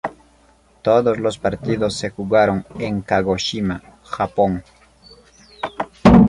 Todos los partidos se jugaron en Kagoshima, Japón.